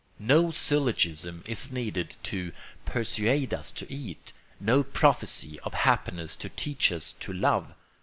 No syllogism is needed to persuade us to eat, no prophecy of happiness to teach us to love.